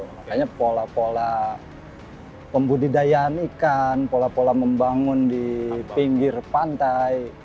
makanya pola pola pembudidayaan ikan pola pola membangun di pinggir pantai